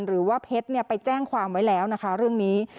หรือว่าเพชรไปแจ้งความไว้แล้วนะคะเรื่องนี้